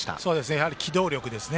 やはり機動力ですね。